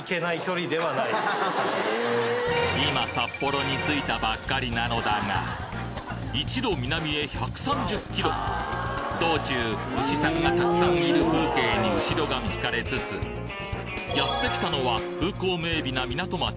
今札幌についたばっかりなのだが一路道中牛さんがたくさんいる風景に後ろ髪引かれつつやってきたのは風光明媚な港町